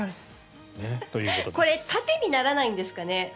これ縦にならないんですかね。